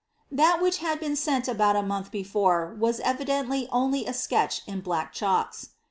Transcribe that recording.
'' That which had been sent about a month before, was evidently only a iketrh in black chalks.